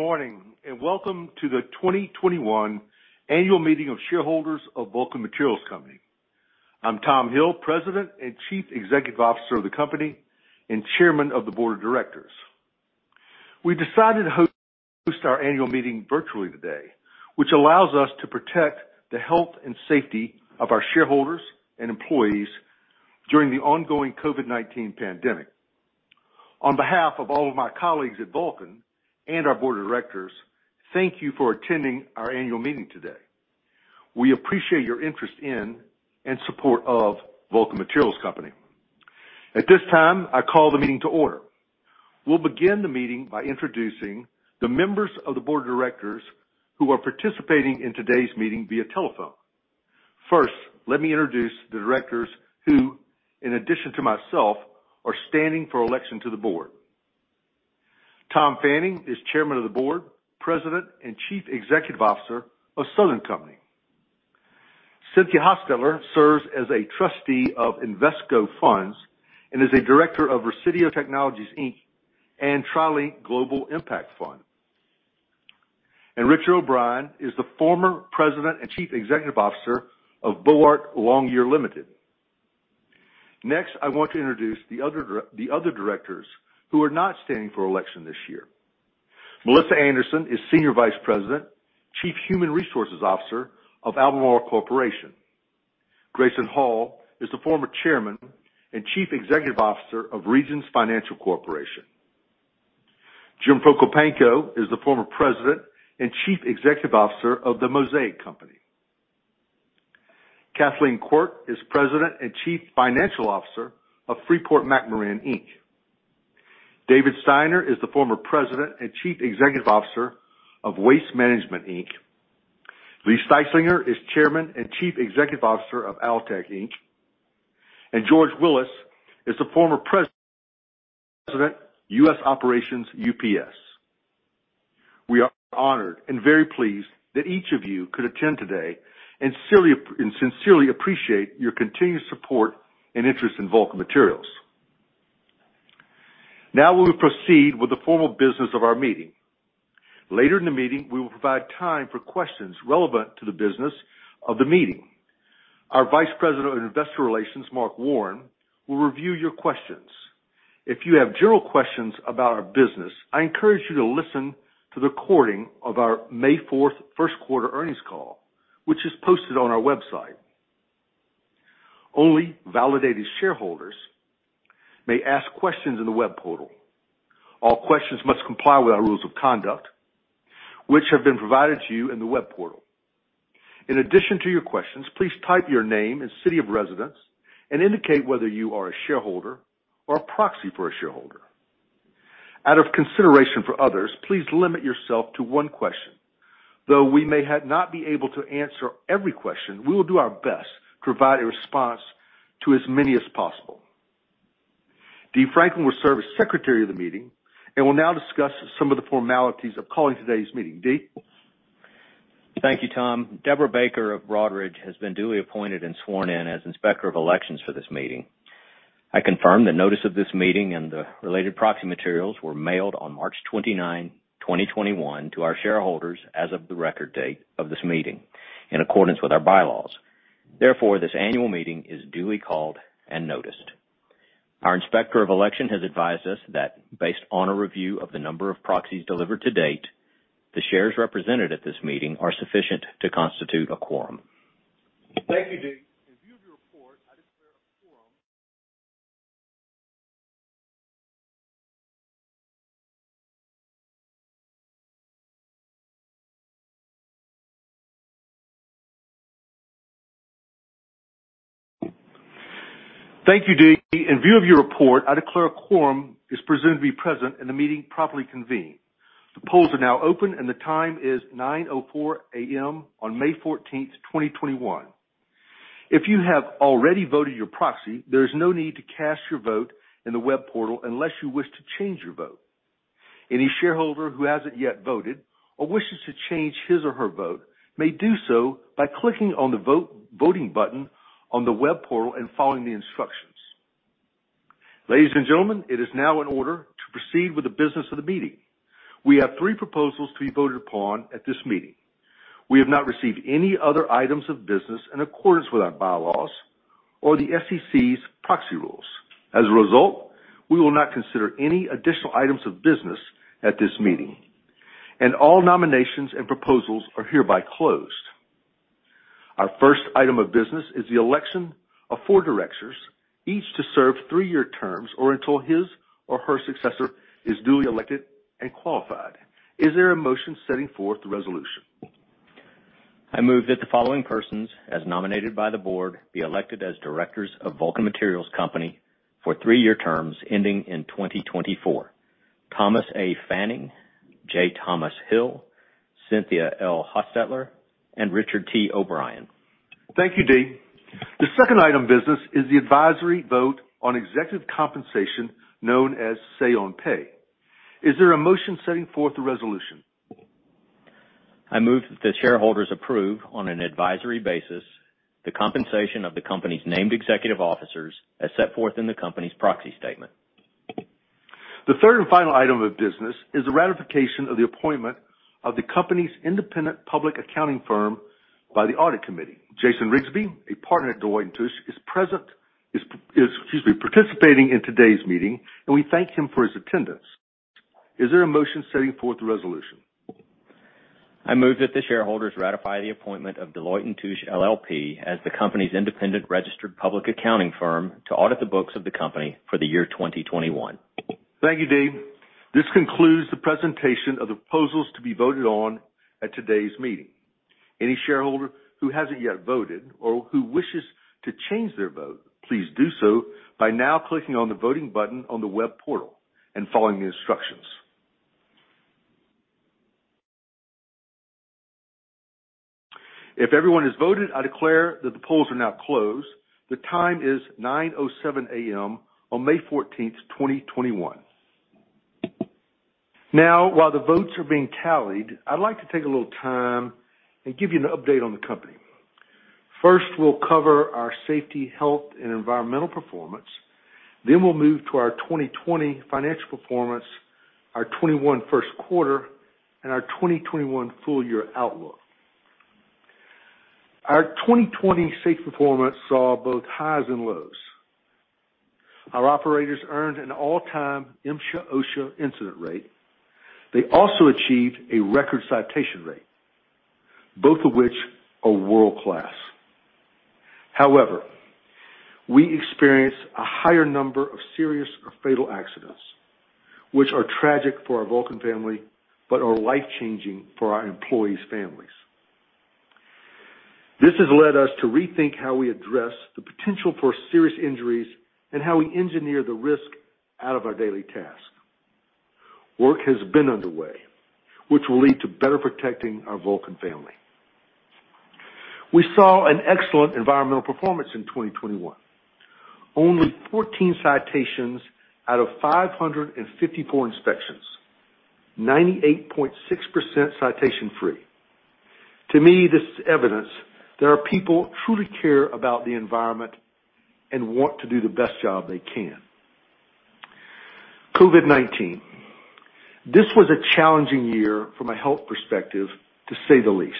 Good morning, welcome to the 2021 annual meeting of shareholders of Vulcan Materials Company. I'm Thomas Hill, President and Chief Executive Officer of the company and Chairman of the Board of Directors. We decided to host our annual meeting virtually today, which allows us to protect the health and safety of our shareholders and employees during the ongoing COVID-19 pandemic. On behalf of all of my colleagues at Vulcan and our board of directors, thank you for attending our annual meeting today. We appreciate your interest in and support of Vulcan Materials Company. At this time, I call the meeting to order. We'll begin the meeting by introducing the members of the board of directors who are participating in today's meeting via telephone. First, let me introduce the directors who, in addition to myself, are standing for election to the board. Thomas A. Fanning is Chairman of the Board, President, and Chief Executive Officer of Southern Company. Cynthia L. Hostettler serves as a trustee of Invesco Funds and is a Director of Resideo Technologies, Inc. and TriLinc Global Impact Fund. Richard O'Brien is the former President and Chief Executive Officer of Boart Longyear Limited. Next, I want to introduce the other directors who are not standing for election this year. Melissa Anderson is Senior Vice President, Chief Human Resources Officer of Albemarle Corporation. O. B. Grayson Hall, Jr. is the former Chairman and Chief Executive Officer of Regions Financial Corporation. James T. Prokopanko is the former President and Chief Executive Officer of The Mosaic Company. Kathleen L. Quirk is President and Chief Financial Officer of Freeport-McMoRan, Inc. David P. Steiner is the former President and Chief Executive Officer of Waste Management, Inc. Lee J. Styslinger, III is Chairman and Chief Executive Officer of Altec, Inc. George Willis is the former President, U.S. Operations, UPS. We are honored and very pleased that each of you could attend today and sincerely appreciate your continued support and interest in Vulcan Materials. We will proceed with the formal business of our meeting. Later in the meeting, we will provide time for questions relevant to the business of the meeting. Our Vice President of Investor Relations, Mark Warren, will review your questions. If you have general questions about our business, I encourage you to listen to the recording of our May 4th first quarter earnings call, which is posted on our website. Only validated shareholders may ask questions in the web portal. All questions must comply with our rules of conduct, which have been provided to you in the web portal. In addition to your questions, please type your name and city of residence and indicate whether you are a shareholder or a proxy for a shareholder. Out of consideration for others, please limit yourself to one question. Though we may not be able to answer every question, we will do our best to provide a response to as many as possible. Dee Franklin will serve as secretary of the meeting and will now discuss some of the formalities of calling today's meeting. Dee? Thank you, Tom. Deborah Baker of Broadridge has been duly appointed and sworn in as Inspector of Elections for this meeting. I confirm that notice of this meeting and the related proxy materials were mailed on March 29, 2021 to our shareholders as of the record date of this meeting, in accordance with our bylaws. Therefore, this annual meeting is duly called and noticed. Our Inspector of Election has advised us that based on a review of the number of proxies delivered to date, the shares represented at this meeting are sufficient to constitute a quorum. Thank you, Dee. In view of your report, I declare a quorum is presumed to be present and the meeting properly convened. The polls are now open and the time is 9:04 A.M. on May 14th, 2021. If you have already voted your proxy, there is no need to cast your vote in the web portal unless you wish to change your vote. Any shareholder who hasn't yet voted or wishes to change his or her vote may do so by clicking on the voting button on the web portal and following the instructions. Ladies and gentlemen, it is now in order to proceed with the business of the meeting. We have three proposals to be voted upon at this meeting. We have not received any other items of business in accordance with our bylaws or the SEC's proxy rules. As a result, we will not consider any additional items of business at this meeting. All nominations and proposals are hereby closed. Our first item of business is the election of four directors, each to serve three-year terms or until his or her successor is duly elected and qualified. Is there a motion setting forth the resolution? I move that the following persons, as nominated by the board, be elected as directors of Vulcan Materials Company for three-year terms ending in 2024. Thomas A. Fanning, J. Thomas Hill, Cynthia L. Hostettler, and Richard T. O'Brien. Thank you, Dee. The second item of business is the advisory vote on executive compensation known as Say on Pay. Is there a motion setting forth the resolution? I move that the shareholders approve, on an advisory basis, the compensation of the company's named executive officers as set forth in the company's proxy statement. The third and final item of business is the ratification of the appointment of the company's independent public accounting firm by the audit committee. Jason Rigsby, a partner at Deloitte & Touche, is participating in today's meeting, and we thank him for his attendance. Is there a motion setting forth the resolution? I move that the shareholders ratify the appointment of Deloitte & Touche LLP as the company's independent registered public accounting firm to audit the books of the company for the year 2021. Thank you, Dee. This concludes the presentation of the proposals to be voted on at today's meeting. Any shareholder who hasn't yet voted or who wishes to change their vote, please do so by now clicking on the voting button on the web portal and following the instructions. If everyone has voted, I declare that the polls are now closed. The time is 9:07 A.M. on May 14th, 2021. While the votes are being tallied, I'd like to take a little time and give you an update on the company. First, we'll cover our safety, health, and environmental performance. We'll move to our 2020 financial performance, our 2021 first quarter, and our 2021 full-year outlook. Our 2020 safety performance saw both highs and lows. Our operators earned an all-time MSHA/OSHA incident rate. They also achieved a record citation rate, both of which are world-class. Number of serious or fatal accidents, which are tragic for our Vulcan family, but are life-changing for our employees' families. This has led us to rethink how we address the potential for serious injuries and how we engineer the risk out of our daily tasks. Work has been underway, which will lead to better protecting our Vulcan family. We saw an excellent environmental performance in 2021. Only 14 citations out of 554 inspections, 98.6% citation free. To me, this is evidence that our people truly care about the environment and want to do the best job they can. COVID-19. This was a challenging year from a health perspective, to say the least.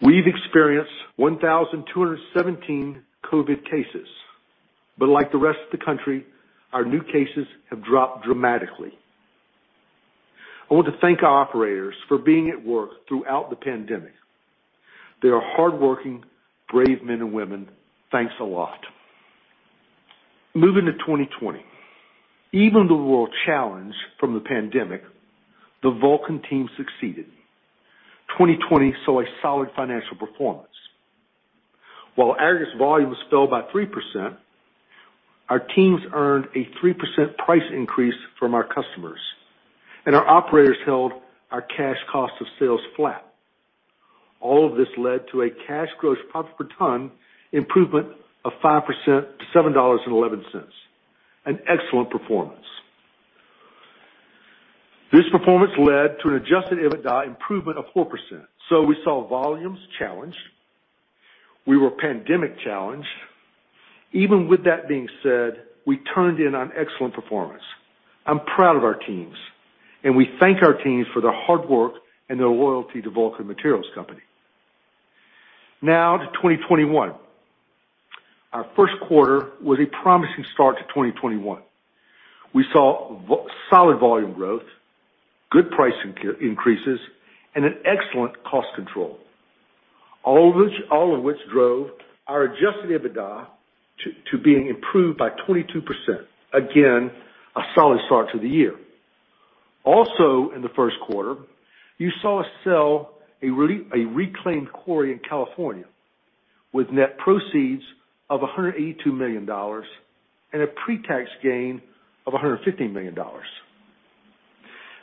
We've experienced 1,217 COVID cases, but like the rest of the country, our new cases have dropped dramatically. I want to thank our operators for being at work throughout the pandemic. They are hardworking, brave men and women. Thanks a lot. Moving to 2020. Even with a little challenge from the pandemic, the Vulcan team succeeded. 2020 saw a solid financial performance. While aggregate volumes fell by 3%, our teams earned a 3% price increase from our customers, and our operators held our cash cost of sales flat. All of this led to a cash gross profit per ton improvement of 5% to $7.11, an excellent performance. This performance led to an adjusted EBITDA improvement of 4%. We saw volumes challenged. We were pandemic challenged. Even with that being said, we turned in an excellent performance. I'm proud of our teams, and we thank our teams for their hard work and their loyalty to Vulcan Materials Company. Now to 2021. Our first quarter was a promising start to 2021. We saw solid volume growth, good price increases, and an excellent cost control. All of which drove our adjusted EBITDA to being improved by 22%. Again, a solid start to the year. In the first quarter, you saw us sell a reclaimed quarry in California with net proceeds of $182 million and a pre-tax gain of $115 million.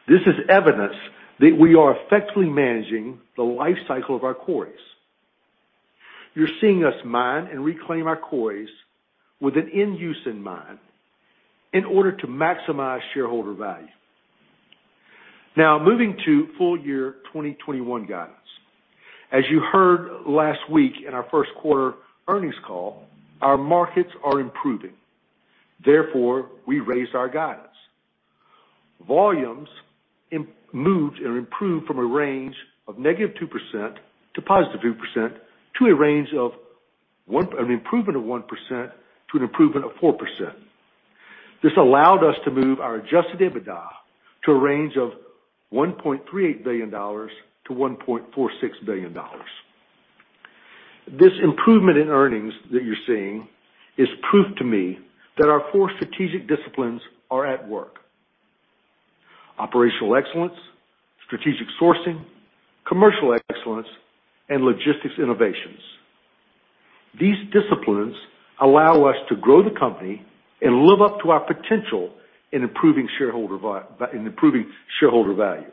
This is evidence that we are effectively managing the life cycle of our quarries. You're seeing us mine and reclaim our quarries with an end use in mind in order to maximize shareholder value. Moving to full year 2021 guidance. As you heard last week in our first quarter earnings call, our markets are improving, therefore we raised our guidance. Volumes moved and improved from a range of -2% to +2% to an improvement of 1% to an improvement of 4%. This allowed us to move our adjusted EBITDA to a range of $1.38 billion to $1.46 billion. This improvement in earnings that you're seeing is proof to me that our four strategic disciplines are at work. Operational excellence, strategic sourcing, commercial excellence, and logistics innovations. These disciplines allow us to grow the company and live up to our potential in improving shareholder value.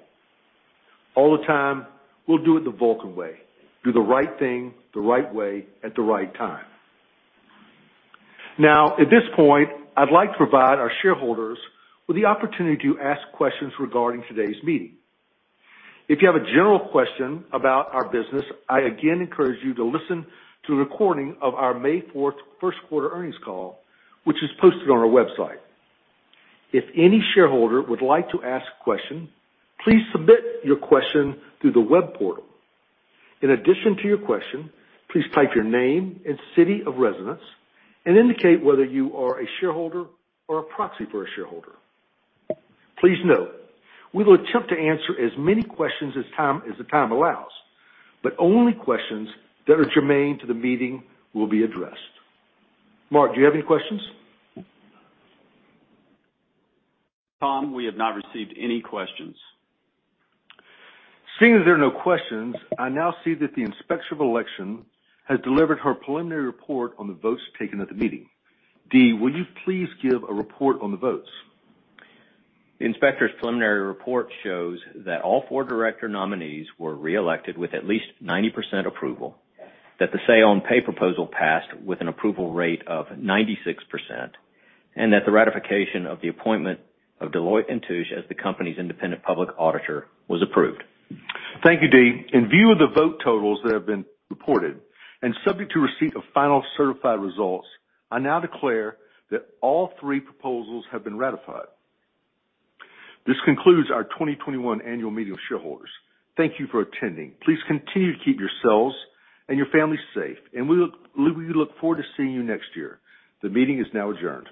All the time, we'll do it the Vulcan way, do the right thing, the right way, at the right time. At this point, I'd like to provide our shareholders with the opportunity to ask questions regarding today's meeting. If you have a general question about our business, I again encourage you to listen to the recording of our May 4th first quarter earnings call, which is posted on our website. If any shareholder would like to ask a question, please submit your question through the web portal. In addition to your question, please type your name and city of residence and indicate whether you are a shareholder or a proxy for a shareholder. Please note, we will attempt to answer as many questions as the time allows, but only questions that are germane to the meeting will be addressed. Mark, do you have any questions? Tom, we have not received any questions. Seeing as there are no questions, I now see that the Inspector of Elections has delivered her preliminary report on the votes taken at the meeting. Dee, will you please give a report on the votes? The inspector's preliminary report shows that all four director nominees were reelected with at least 90% approval, that the Say on Pay proposal passed with an approval rate of 96%, and that the ratification of the appointment of Deloitte & Touche as the company's independent public auditor was approved. Thank you, Dee. In view of the vote totals that have been reported, and subject to receipt of final certified results, I now declare that all three proposals have been ratified. This concludes our 2021 annual meeting of shareholders. Thank you for attending. Please continue to keep yourselves and your families safe, and we look forward to seeing you next year. The meeting is now adjourned.